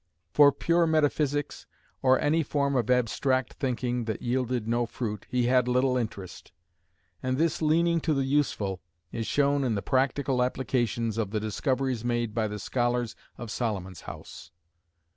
For pure metaphysics, or any form of abstract thinking that yielded no "fruit," he had little interest; and this leaning to the useful is shown in the practical applications of the discoveries made by the scholars of Solomon's House.